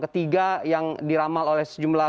ketiga yang diramal oleh sejumlah